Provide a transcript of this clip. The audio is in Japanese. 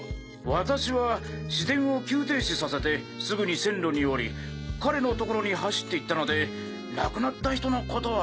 私は市電を急停止させてすぐに線路に降り彼の所に走っていったので亡くなった人の事は。